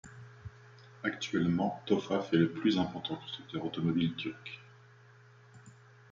Actuellement, Tofaş est le plus important constructeur automobile turc.